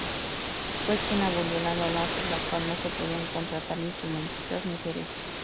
Fue quien abolió la norma por la cual no se podían contratar instrumentistas mujeres.